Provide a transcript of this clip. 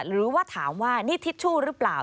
หรือว่าถามว่านี่ทิชชู่หรือเปล่า